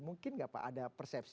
mungkin nggak pak ada persepsi